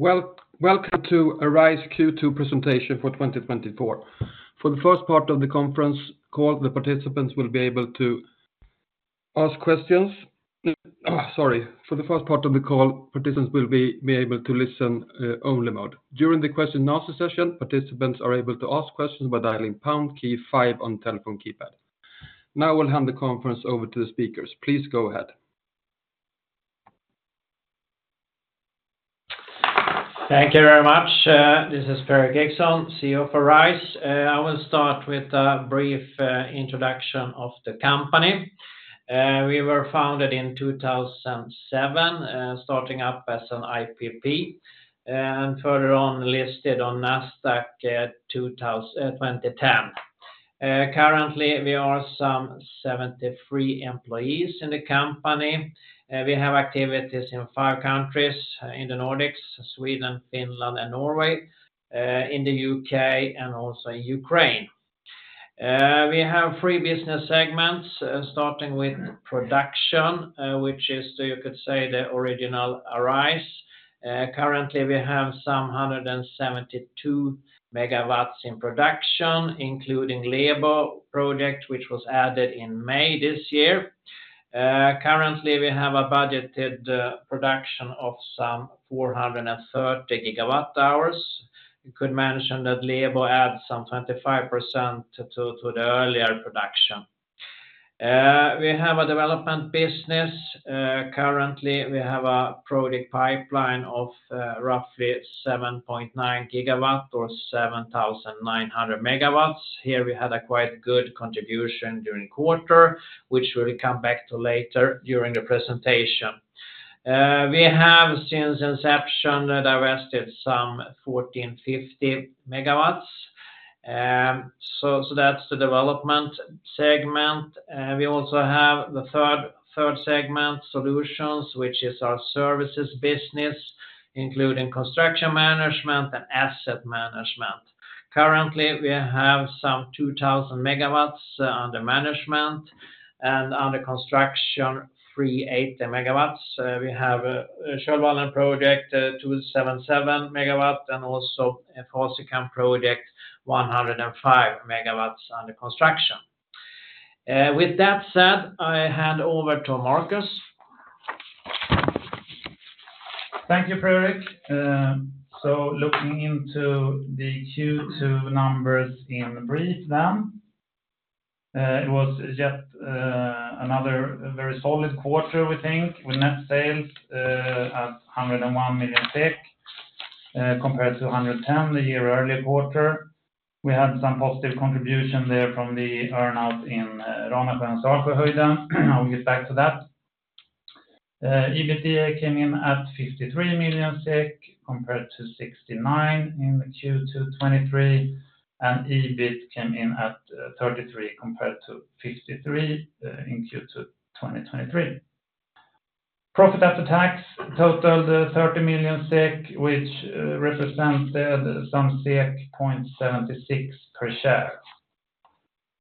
Welcome to Arise Q2 presentation for 2024. For the first part of the conference call, the participants will be able to ask questions. Sorry, for the first part of the call, participants will be able to listen-only mode. During the question and answer session, participants are able to ask questions by dialing pound key five on telephone keypad. Now, I will hand the conference over to the speakers. Please go ahead. Thank you very much. This is Per-Erik Eriksson, CEO for Arise. I will start with a brief introduction of the company. We were founded in 2007, starting up as an IPP, and further on, listed on Nasdaq, 2010. Currently, we are some 73 employees in the company. We have activities in five countries: in the Nordics, Sweden, Finland, and Norway, in the UK, and also in Ukraine. We have three business segments, starting with production, which is, you could say, the original Arise. Currently, we have some 172 MW in production, including Lebo project, which was added in May this year. Currently, we have a budgeted production of some 430 GWh. You could mention that Lebo adds some 25% to the earlier production. We have a development business. Currently, we have a project pipeline of roughly 7.9 GW or 7,900 MW. Here, we had a quite good contribution during quarter, which we will come back to later during the presentation. We have, since inception, divested some 1,450 MW, so that's the development segment. We also have the third segment, solutions, which is our services business, including construction management and asset management. Currently, we have some 2,000 MW under management, and under construction, 380 MW. We have the Kölvallen project, 277 MW, and also a Fasikan project, 105 MW under construction. With that said, I hand over to Markus. Thank you, Per-Erik. So looking into the Q2 numbers in brief, then. It was just another very solid quarter, we think, with net sales at 101 million, compared to 110 million the year earlier quarter. We had some positive contribution there from the earn-out in Ranasjö and Salsjöhöjden. I'll get back to that. EBITDA came in at 53 million SEK, compared to 69 in the Q2 2023, and EBIT came in at 33, compared to 53 in Q2 2023. Profit after tax totaled 30 million SEK, which represents some SEK 0.76 per share.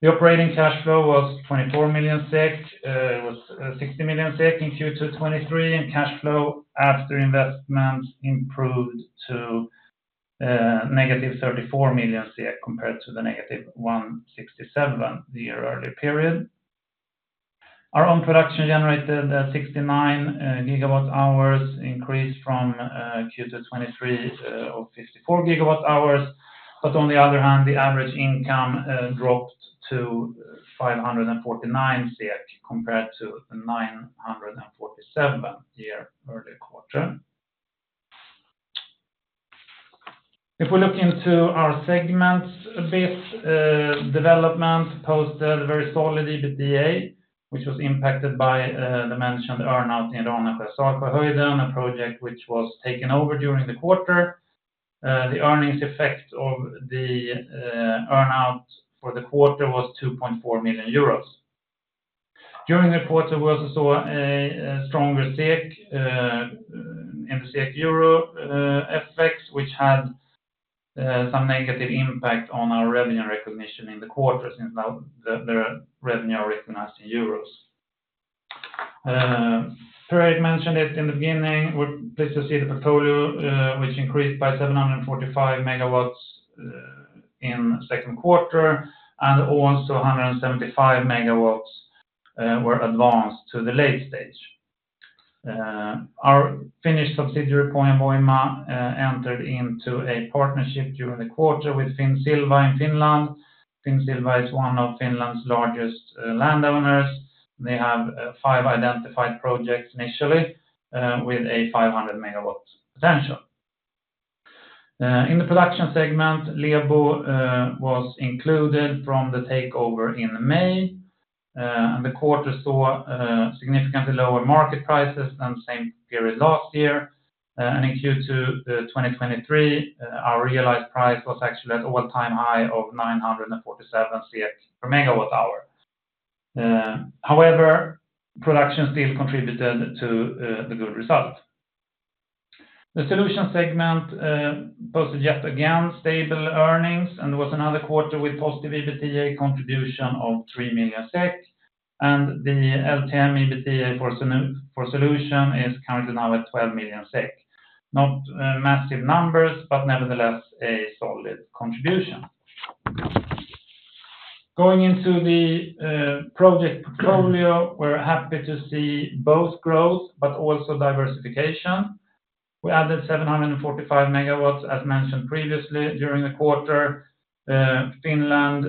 The operating cash flow was 24 million SEK; it was 60 million SEK in Q2 2023, and cash flow after investment improved to -34 million, compared to the -167 million the year earlier period. Our own production generated 69 gigawatt hours, increased from Q2 2023 of 54 gigawatt hours. But on the other hand, the average income dropped to 549 SEK, compared to 947 the year earlier quarter. If we look into our segments a bit, development posted a very solid EBITDA, which was impacted by the mentioned earn-out in Ranasjö and Salsjöhöjden, a project which was taken over during the quarter. The earnings effect of the earn-out for the quarter was 2.4 million euros. During the quarter, we also saw a stronger SEK and SEK euro effects, which had some negative impact on our revenue recognition in the quarter, since now the revenue are recognized in euros. Fredrik mentioned it in the beginning, we're pleased to see the portfolio, which increased by 745 MW in second quarter, and also 175 MW were advanced to the late stage. Our Finnish subsidiary, Pohjan Voima, entered into a partnership during the quarter with Finsilva in Finland. Finsilva is one of Finland's largest landowners. They have five identified projects initially, with a 500 MW potential. In the production segment, Lebo was included from the takeover in May, and the quarter saw significantly lower market prices than the same period last year. And in Q2 2023, our realized price was actually at all-time high of 947 SEK per MWh. However, production still contributed to the good result. The Solutions segment posted yet again stable earnings, and was another quarter with positive EBITDA contribution of 3 million SEK. The LTM EBITDA for Solutions is currently now at 12 million SEK. Not massive numbers, but nevertheless, a solid contribution. Going into the project portfolio, we're happy to see both growth, but also diversification. We added 745 megawatts, as mentioned previously, during the quarter. Finland,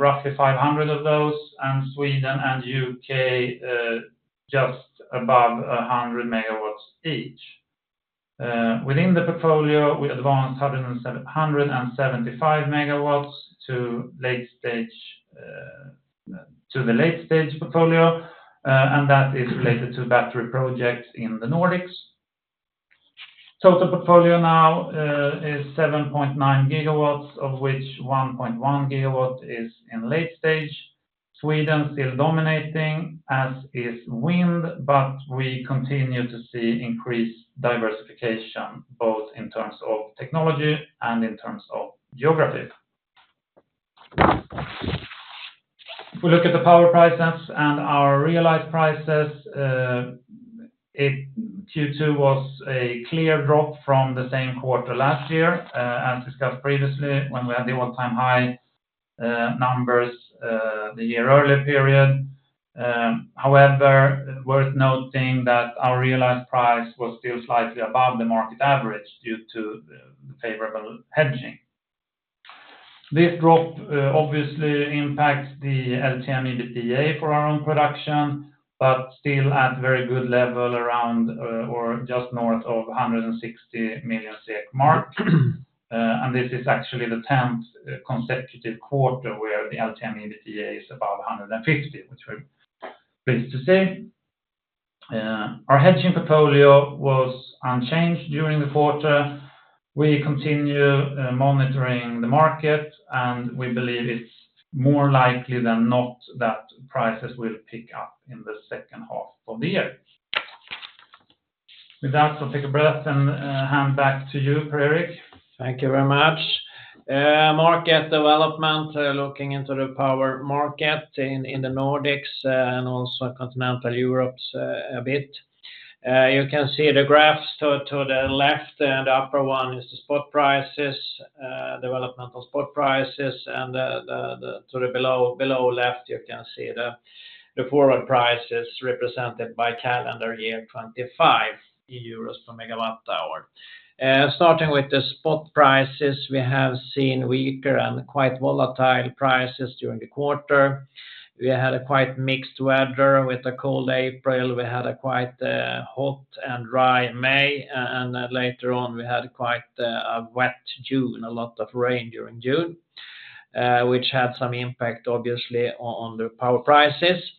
roughly 500 of those, and Sweden and UK, just above 100 megawatts each. Within the portfolio, we advanced 175 megawatts to late stage, to the late stage portfolio, and that is related to battery projects in the Nordics. Total portfolio now is 7.9 gigawatts, of which 1.1 gigawatt is in late stage. Sweden still dominating, as is wind, but we continue to see increased diversification, both in terms of technology and in terms of geographies. If we look at the power prices and our realized prices, Q2 was a clear drop from the same quarter last year, as discussed previously, when we had the all-time high numbers, the year earlier period. However, worth noting that our realized price was still slightly above the market average due to the favorable hedging. This drop obviously impacts the LTM EBITDA for our own production, but still at very good level around or just north of 160 million mark. And this is actually the tenth consecutive quarter where the LTM EBITDA is above 150 million, which we're pleased to see. Our hedging portfolio was unchanged during the quarter. We continue monitoring the market, and we believe it's more likely than not that prices will pick up in the second half of the year. With that, I'll take a breath and hand back to you, Per-Erik. Thank you very much. Market development, looking into the power market in the Nordics and also continental Europe a bit. You can see the graphs to the left, and the upper one is the spot prices development of spot prices, and the one to the below left you can see the forward prices represented by calendar year 2025 in euros per megawatt hour. Starting with the spot prices, we have seen weaker and quite volatile prices during the quarter. We had a quite mixed weather. With a cold April, we had a quite hot and dry May, and then later on, we had quite a wet June, a lot of rain during June, which had some impact, obviously, on the power prices.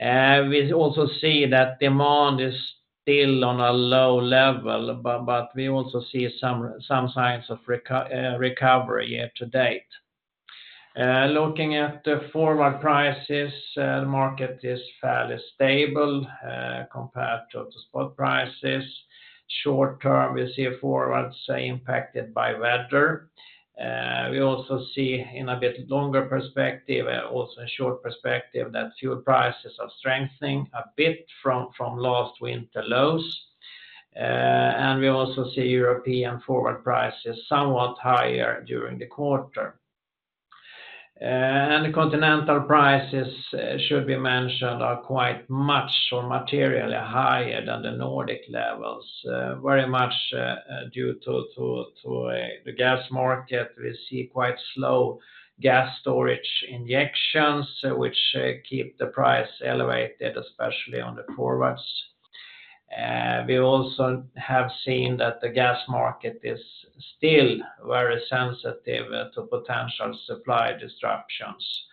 We also see that demand is still on a low level, but we also see some signs of recovery year to date. Looking at the forward prices, the market is fairly stable, compared to the spot prices. Short term, we see forwards are impacted by weather. We also see in a bit longer perspective, also in short perspective, that fuel prices are strengthening a bit from last winter lows. We also see European forward prices somewhat higher during the quarter. The continental prices should be mentioned, are quite much or materially higher than the Nordic levels, very much due to the gas market. We see quite slow gas storage injections, which keep the price elevated, especially on the forwards. We also have seen that the gas market is still very sensitive to potential supply disruptions,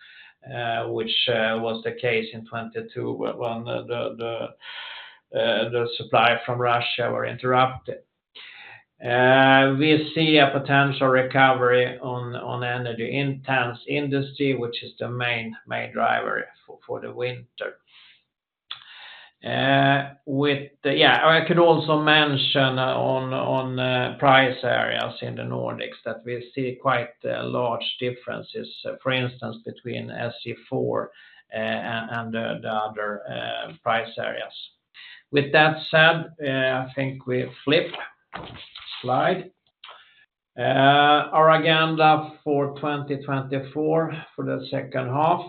which was the case in 2022, when the supply from Russia were interrupted. We see a potential recovery on energy intense industry, which is the main driver for the winter. Yeah, I could also mention on price areas in the Nordics, that we see quite large differences, for instance, between SE4 and the other price areas. With that said, I think we flip slide. Our agenda for 2024, for the second half,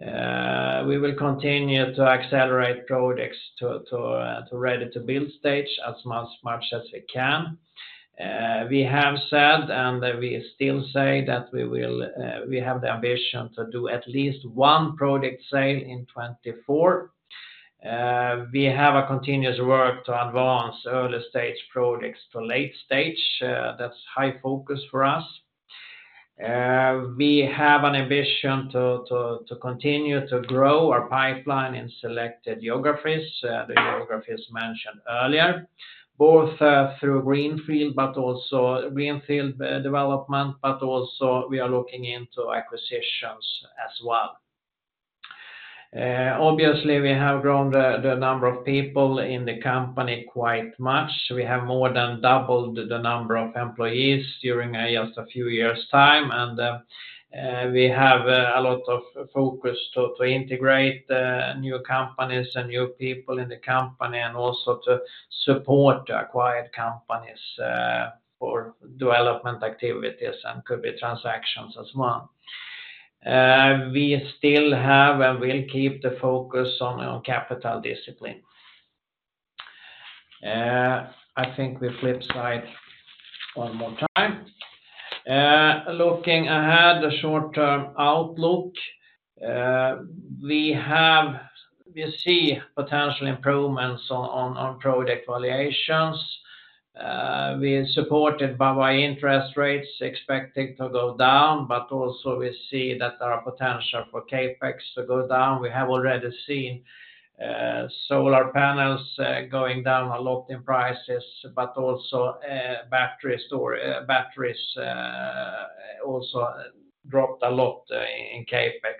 we will continue to accelerate projects to ready-to-build stage as much as we can. We have said, and we still say, that we will, we have the ambition to do at least one project sale in 2024. We have a continuous work to advance early-stage projects to late stage. That's high focus for us. We have an ambition to continue to grow our pipeline in selected geographies, the geographies mentioned earlier, both through greenfield development, but also we are looking into acquisitions as well. Obviously, we have grown the number of people in the company quite much. We have more than doubled the number of employees during just a few years' time, and... We have a lot of focus to integrate new companies and new people in the company, and also to support the acquired companies for development activities, and could be transactions as well. We still have and will keep the focus on capital discipline. I think we flip side one more time. Looking ahead, the short-term outlook, we see potential improvements on project valuations. We are supported by interest rates expecting to go down, but also we see that there are potential for CapEx to go down. We have already seen solar panels going down a lot in prices, but also batteries also dropped a lot in CapEx.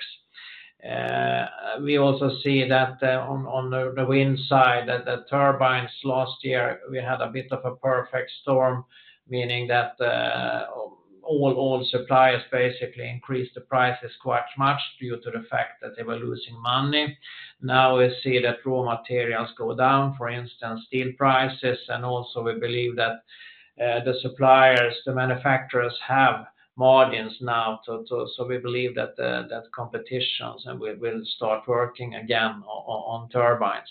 We also see that on the wind side, that the turbines last year, we had a bit of a perfect storm, meaning that all suppliers basically increased the prices quite much due to the fact that they were losing money. Now, we see that raw materials go down, for instance, steel prices, and also we believe that the suppliers, the manufacturers have margins now. So we believe that competition, and we'll start working again on turbines.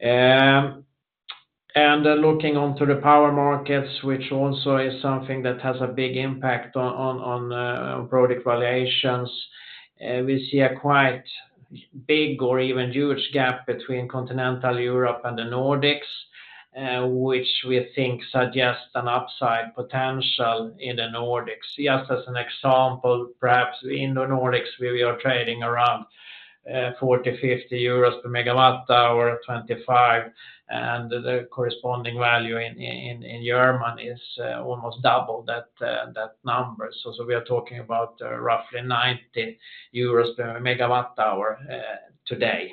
And looking onto the power markets, which also is something that has a big impact on product valuations, we see a quite big or even huge gap between continental Europe and the Nordics, which we think suggests an upside potential in the Nordics. Just as an example, perhaps in the Nordics, we are trading around 40-50 euros per MWh, 25, and the corresponding value in Germany is almost double that number. So we are talking about roughly 90 euros per MWh today.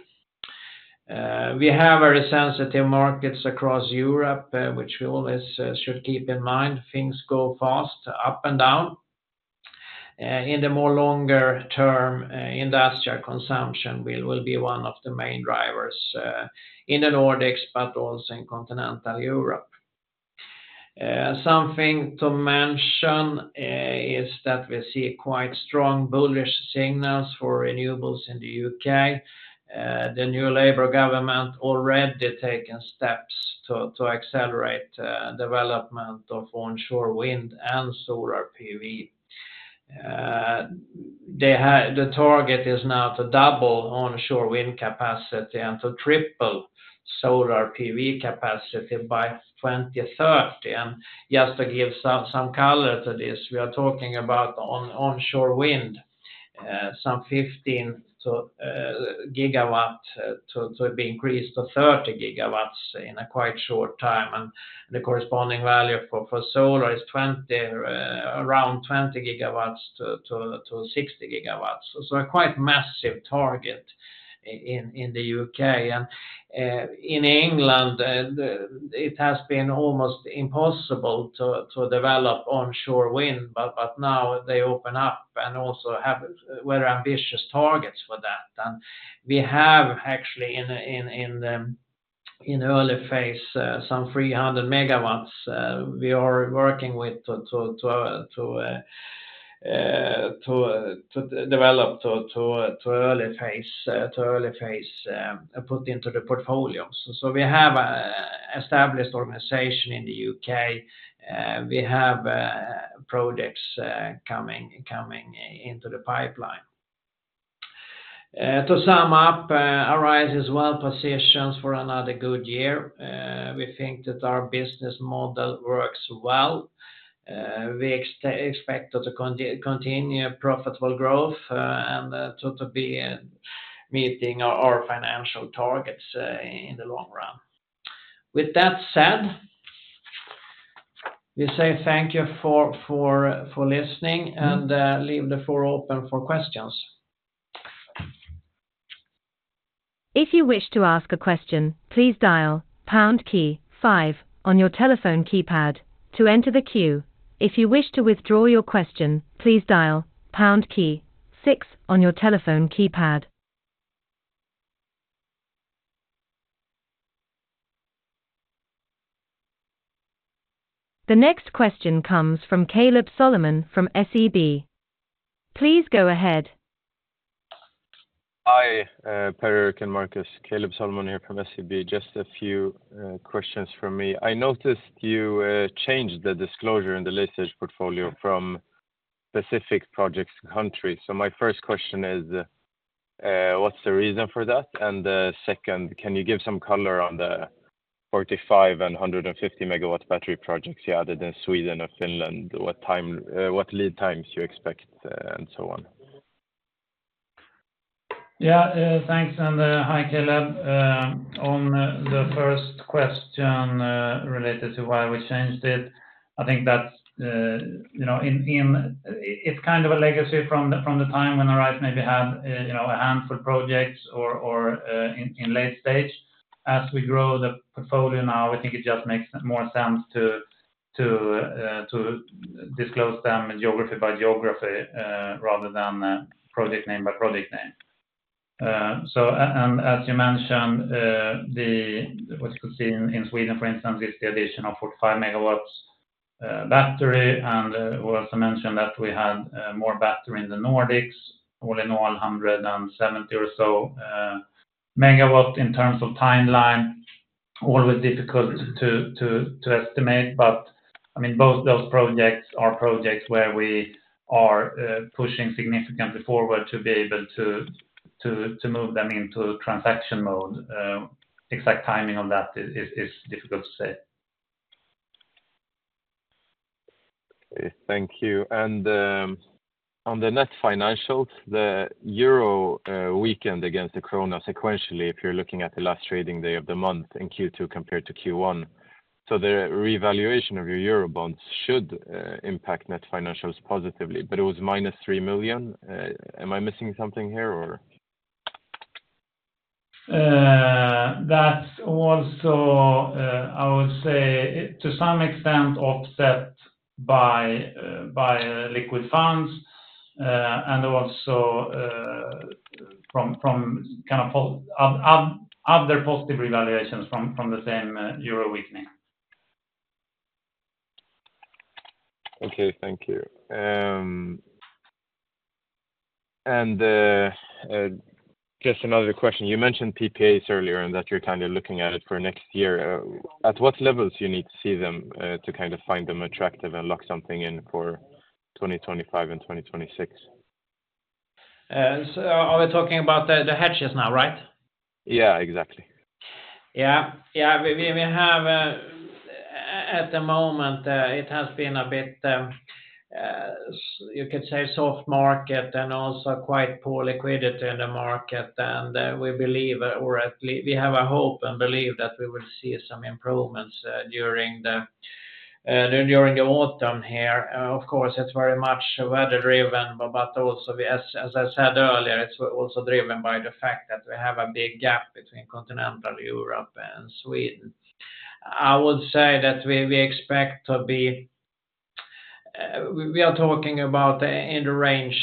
We have very sensitive markets across Europe, which we always should keep in mind. Things go fast, up and down. In the more longer term, industrial consumption will be one of the main drivers in the Nordics, but also in continental Europe. Something to mention is that we see quite strong bullish signals for renewables in the UK. The new Labour government already taken steps to accelerate development of onshore wind and solar PV. They had the target is now to double onshore wind capacity and to triple solar PV capacity by 2030. And just to give some color to this, we are talking about onshore wind, some 15-30 gigawatts to be increased in a quite short time, and the corresponding value for solar is around 20-60 gigawatts. So a quite massive target in the UK. In England, it has been almost impossible to develop onshore wind, but now they open up and also have very ambitious targets for that. And we have actually in early phase some 300 MW we are working with to develop to early phase put into the portfolio. So we have an established organization in the U.K., we have projects coming into the pipeline. To sum up, Arise is well-positioned for another good year. We think that our business model works well. We expect to continue profitable growth and to be meeting our financial targets in the long run. With that said, we say thank you for listening and leave the floor open for questions. If you wish to ask a question, please dial pound key five on your telephone keypad to enter the queue. If you wish to withdraw your question, please dial pound key six on your telephone keypad. The next question comes from Kaleb Solomon from SEB. Please go ahead. Hi, Per-Erik and Marcus, Kaleb Solomon here from SEB. Just a few questions from me. I noticed you changed the disclosure in the late stage portfolio from specific projects country. So my first question is: What's the reason for that? And, second, can you give some color on the 45 MW and 150 MW battery projects you added in Sweden and Finland? What lead times you expect, and so on? Yeah. Thanks, and hi, Kaleb. On the first question related to why we changed it, I think that's you know in it's kind of a legacy from the time when Arise maybe had you know a handful of projects or in late stage. As we grow the portfolio now, I think it just makes more sense to disclose them geography by geography rather than project name by project name. So, and as you mentioned, what you could see in Sweden, for instance, is the addition of 45 megawatts battery. And we also mentioned that we had more battery in the Nordics, all in all, 170 or so megawatts in terms of timeline. Always difficult to estimate, but I mean, both those projects are projects where we are pushing significantly forward to be able to move them into transaction mode. Exact timing on that is difficult to say. Okay, thank you. And on the net financials, the euro weakened against the krona sequentially, if you're looking at the last trading day of the month in Q2 compared to Q1. So the revaluation of your euro bonds should impact net financials positively, but it was -3 million. Am I missing something here or? That also, I would say, to some extent, offset by liquid funds and also from kind of other positive revaluations from the same euro weakening. Okay, thank you. Just another question. You mentioned PPAs earlier, and that you're kind of looking at it for next year. At what levels you need to see them to kind of find them attractive and lock something in for 2025 and 2026? So are we talking about the hedges now, right? Yeah, exactly. Yeah. Yeah, we have. At the moment, it has been a bit, you could say, soft market and also quite poor liquidity in the market, and we believe or at least we have a hope and believe that we will see some improvements during the during the autumn here. Of course, it's very much weather-driven, but also as I said earlier, it's also driven by the fact that we have a big gap between continental Europe and Sweden. I would say that we expect to be, we are talking about in the range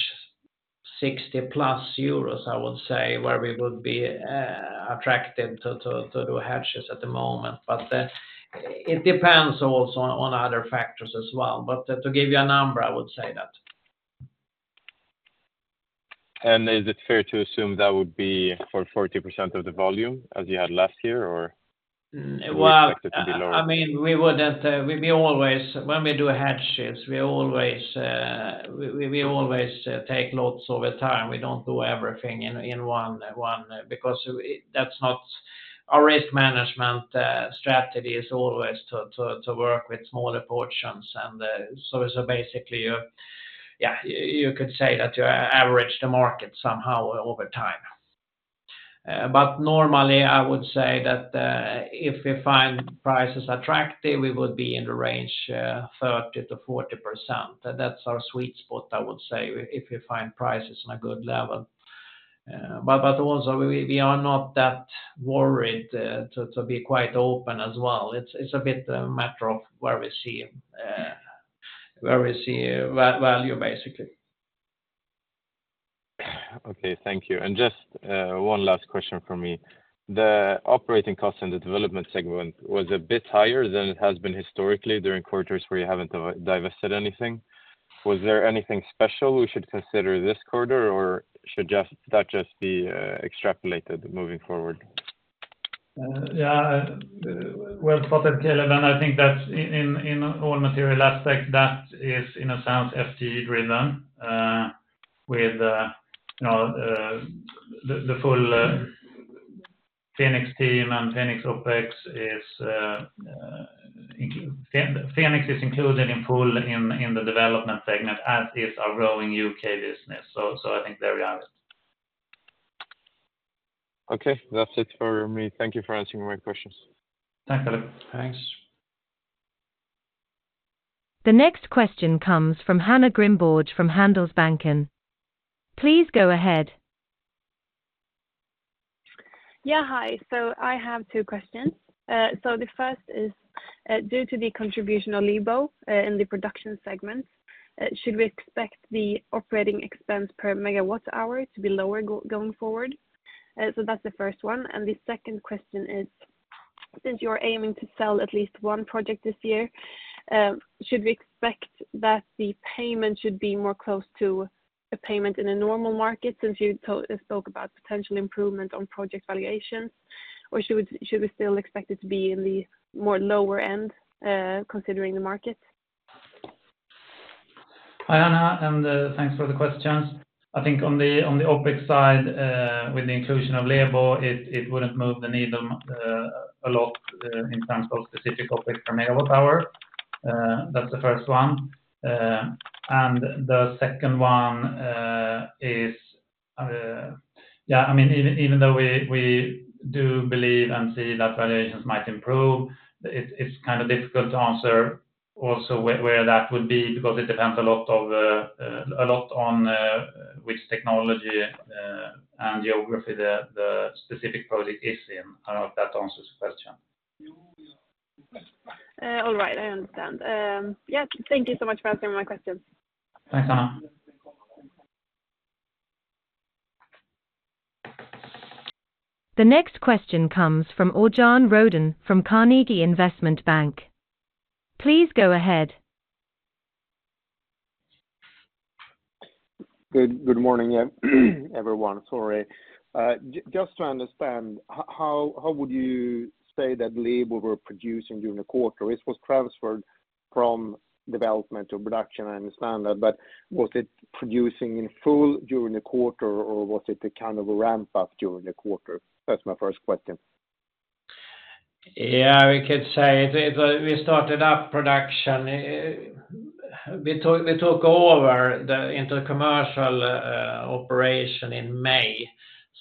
60+ euros, I would say, where we would be attracted to hedges at the moment. But it depends also on other factors as well. But to give you a number, I would say that. Is it fair to assume that would be for 40% of the volume as you had last year, or? Well- Expected to be lower? I mean, we wouldn't, we always, when we do hedges, we always take notes over time. We don't do everything in one, because that's not our risk management strategy is always to work with smaller portions. And so basically, you're yeah, you could say that you average the market somehow over time. But normally, I would say that, if we find prices attractive, we would be in the range 30%-40%. That's our sweet spot, I would say, if we find prices on a good level. But also, we are not that worried, to be quite open as well. It's a bit a matter of where we see, where we see value, basically. Okay, thank you. And just, one last question from me. The operating costs in the Development segment was a bit higher than it has been historically during quarters where you haven't divested anything. Was there anything special we should consider this quarter, or should just, that just be, extrapolated moving forward? Yeah, well spotted, Kaleb, and I think that in all material aspects, that is, in a sense, FTE driven, with you know the full Finnish team and Finnish OpEx. Finnish is included in full in the development segment, as is our growing UK business. So I think there we are. Okay. That's it for me. Thank you for answering my questions. Thanks, Kaleb. Thanks. The next question comes from Hanna Grimborg, from Handelsbanken. Please go ahead. Yeah, hi. So I have two questions. So the first is, due to the contribution of Lebo in the production segment, should we expect the operating expense per megawatt hour to be lower going forward? So that's the first one. The second question is, since you are aiming to sell at least one project this year, should we expect that the payment should be more close to a payment in a normal market since you spoke about potential improvement on project valuations? Or should we still expect it to be in the more lower end, considering the market? Hi, Hanna, and thanks for the questions. I think on the OpEx side, with the inclusion of Lebo, it wouldn't move the needle a lot in terms of specific OpEx per megawatt hour. That's the first one. And the second one is yeah, I mean, even though we do believe and see that valuations might improve, it's kind of difficult to answer also where that would be, because it depends a lot on which technology and geography the specific project is in. I don't know if that answers the question. All right, I understand. Yeah, thank you so much for answering my questions. Thanks, Hanna. The next question comes from Örjan Rödén from Carnegie Investment Bank. Please go ahead. Good morning, everyone. Sorry. Just to understand, how would you say that Lebo were producing during the quarter? It was transferred from development to production, I understand that, but was it producing in full during the quarter, or was it a kind of a ramp up during the quarter? That's my first question. Yeah, we could say it, we started up production. We took, we took over the into commercial operation in May,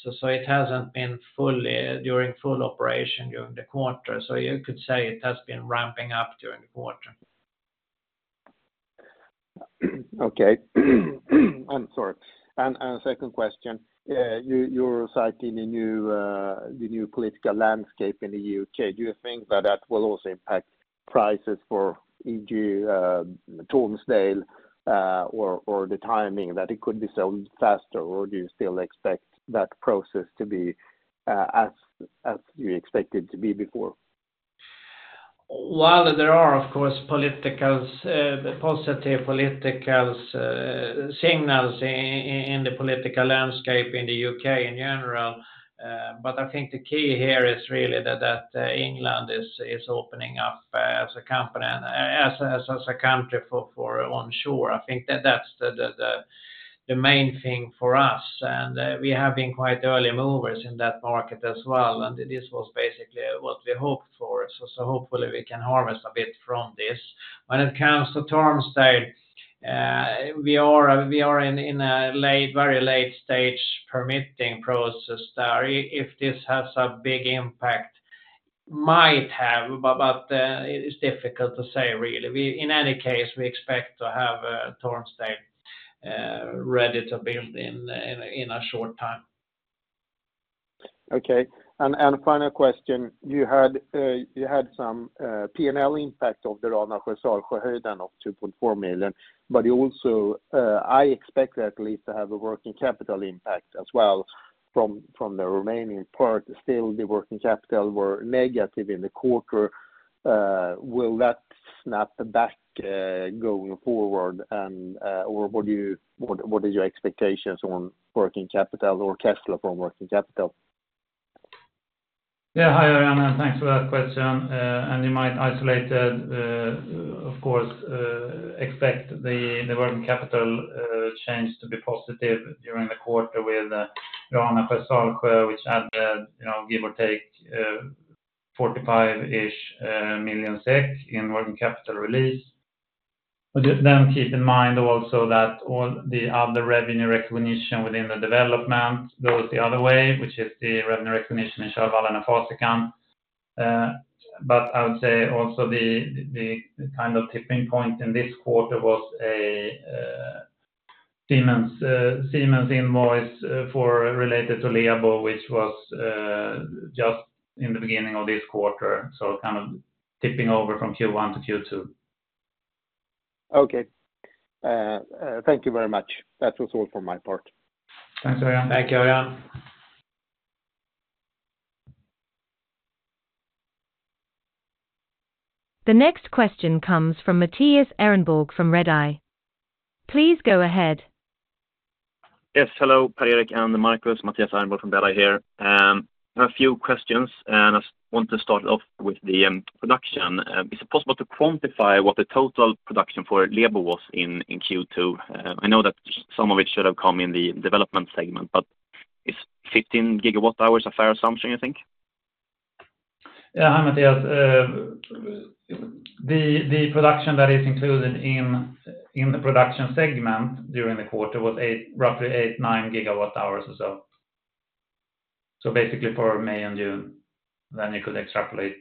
so, so it hasn't been fully, during full operation during the quarter. So you could say it has been ramping up during the quarter. Okay. I'm sorry. Second question: you're citing the new political landscape in the UK. Do you think that that will also impact prices for e.g., Tormsdale, or the timing, that it could be sold faster? Or do you still expect that process to be as you expected to be before? While there are, of course, politics, positive political signals in the political landscape in the UK in general, but I think the key here is really that England is opening up as a company and as a country for onshore. I think that that's the main thing for us. We have been quite early movers in that market as well, and this was basically what we hoped for. So hopefully we can harvest a bit from this. When it comes to Tormsdale, we are in a very late stage permitting process there. If this has a big impact, it might have, but it is difficult to say really. In any case, we expect to have Tormsdale ready to build in a short time. Okay. Final question: you had some PNL impact of the Ranasjö/Salsjöhöjden of 2.4 million, but you also, I expect that at least to have a working capital impact as well from the remaining part. Still, the working capital were negative in the quarter. Will that snap back going forward? And... or what do you, what is your expectations on working capital or cash flow from working capital? Yeah, hi, Örjan, and thanks for that question. And you might isolate the, of course, expect the working capital change to be positive during the quarter with Ranasjö/Salsjöhöjden, which had, you know, give or take, 45-ish million SEK in working capital release. But just then keep in mind also that all the other revenue recognition within the development goes the other way, but I would say also the kind of tipping point in this quarter was a Siemens invoice for related to Lebo, which was just in the beginning of this quarter, so kind of tipping over from Q1 to Q2. Okay. Thank you very much. That was all for my part. Thanks, rjan. The next question comes from Mattias Ehrenborg, from Redeye. Please go ahead. Yes, hello, Per-Erik and Marcus, Mattias Ehrenborg from Redeye here. I have a few questions, and I want to start off with the production. Is it possible to quantify what the total production for Lebo was in Q2? I know that some of it should have come in the development segment, but is 15 gigawatt hours a fair assumption, you think? Yeah, hi, Mattias. The production that is included in the production segment during the quarter was roughly 8-9 gigawatt hours or so. So basically for May and June, then you could extrapolate.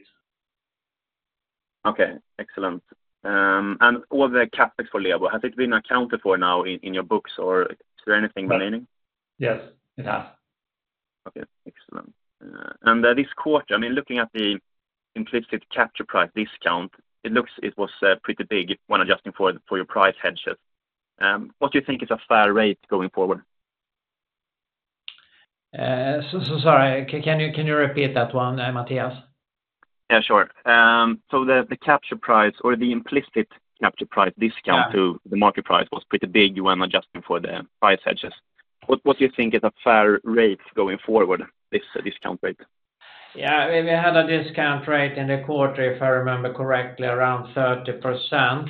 Okay, excellent. And all the CapEx for Lebo, has it been accounted for now in your books, or is there anything remaining? Yes, it has. Okay, excellent. And this quarter, I mean, looking at the implicit capture price discount, it looks it was pretty big when adjusting for, for your price hedges. What do you think is a fair rate going forward? So, so sorry, can you repeat that one, Mattias? Yeah, sure. So the capture price or the implicit capture price discount- Yeah... to the market price was pretty big when adjusting for the price hedges. What, what do you think is a fair rate going forward, this discount rate? Yeah, we had a discount rate in the quarter, if I remember correctly, around 30%.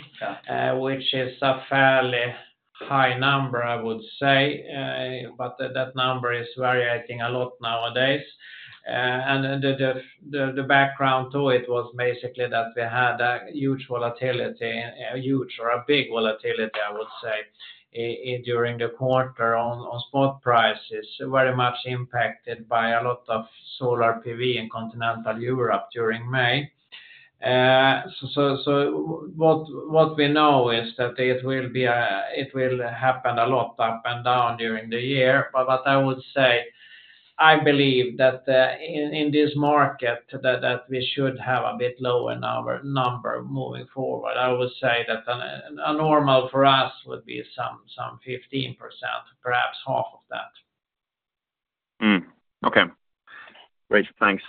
Yeah... which is a fairly high number, I would say, but that number is varying a lot nowadays. And the background to it was basically that we had a huge volatility, a huge or a big volatility, I would say, in during the quarter on spot prices, very much impacted by a lot of solar PV in continental Europe during May.... So what we know is that it will be, it will happen a lot up and down during the year. But what I would say, I believe that, in this market, that we should have a bit lower number moving forward. I would say that, a normal for us would be some 15%, perhaps half of that. Mm. Okay. Great, thanks.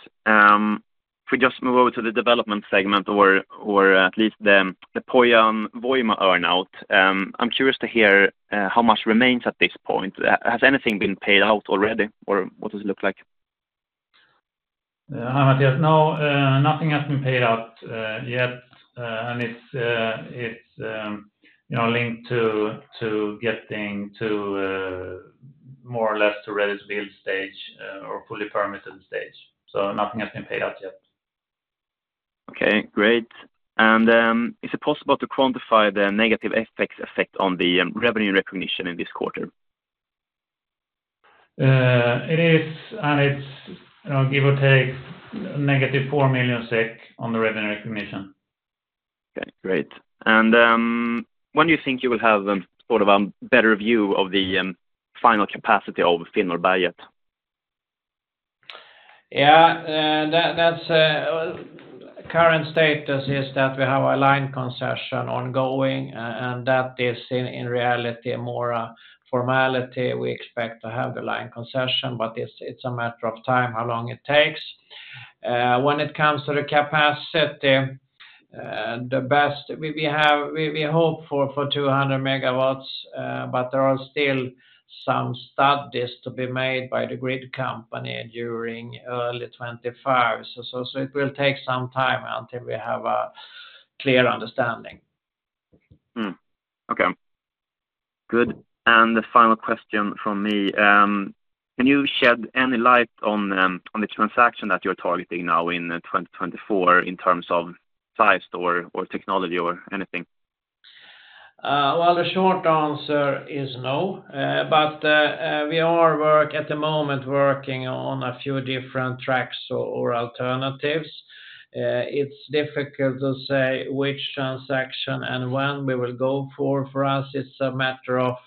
If we just move over to the development segment or at least the Pohjan Voima earn-out, I'm curious to hear how much remains at this point. Has anything been paid out already, or what does it look like? Mattias, no, nothing has been paid out yet. And it's, it's, you know, linked to, to getting to, more or less to ready build stage, or fully permitted stage. So nothing has been paid out yet. Okay, great. Is it possible to quantify the negative effect on the revenue recognition in this quarter? It is, and it's, you know, give or take, -4 million SEK on the revenue recognition. Okay, great. When do you think you will have sort of a better view of the final capacity of Finnåberget by yet? Yeah, that's current status is that we have a line concession ongoing, and that is in reality more a formality. We expect to have the line concession, but it's a matter of time, how long it takes. When it comes to the capacity, the best we have we hope for 200 megawatts, but there are still some studies to be made by the grid company during early 2025. So it will take some time until we have a clear understanding. Mm. Okay. Good. And the final question from me, can you shed any light on, on the transaction that you're targeting now in 2024 in terms of size or, or technology or anything? Well, the short answer is no. But at the moment, working on a few different tracks or alternatives. It's difficult to say which transaction and when we will go for. For us, it's a matter of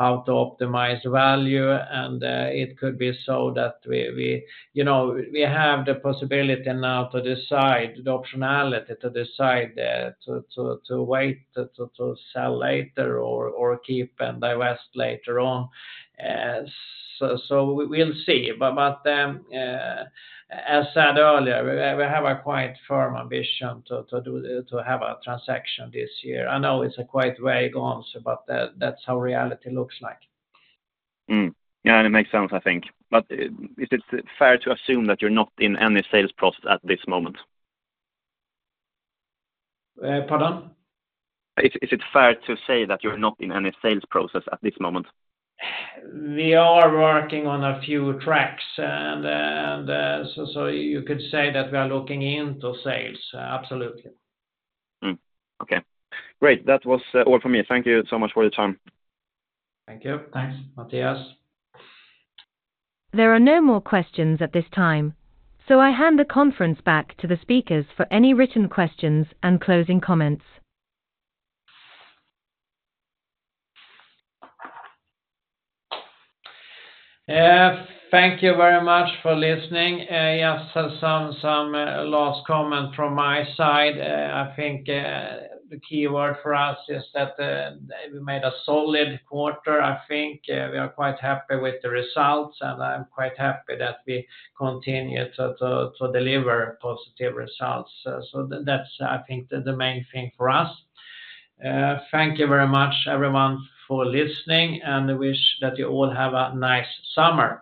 how to optimize value, and it could be so that we... You know, we have the possibility now to decide, the optionality to decide, to wait, to sell later or keep and divest later on. So we'll see. But as said earlier, we have a quite firm ambition to have a transaction this year. I know it's a quite vague answer, but that's how reality looks like. Yeah, and it makes sense, I think. But is it fair to assume that you're not in any sales process at this moment? Uh, pardon? Is it fair to say that you're not in any sales process at this moment? We are working on a few tracks, and so you could say that we are looking into sales, absolutely. Mm. Okay, great. That was all for me. Thank you so much for your time. Thank you. Thanks, Mattias. There are no more questions at this time, so I hand the conference back to the speakers for any written questions and closing comments. Thank you very much for listening. Yes, so some last comment from my side. I think the key word for us is that we made a solid quarter. I think we are quite happy with the results, and I'm quite happy that we continue to deliver positive results. So that's, I think, the main thing for us. Thank you very much, everyone, for listening, and wish that you all have a nice summer.